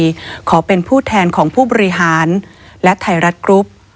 ขอเป็นผู้แทนของผู้บริหารและไทยรัฐกรุ๊ป